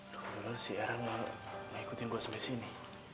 tidak si erang tidak mau ikut saya sampai sini